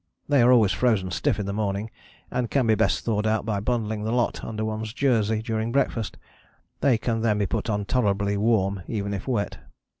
They are always frozen stiff in the morning and can best be thawed out by bundling the lot [under one's] jersey during breakfast. They can then be put on tolerably warm even if wet.